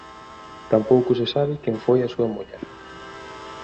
Tampouco se sabe quen foi a súa muller.